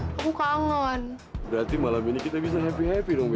bapak ini dua orang tentang perasaan aja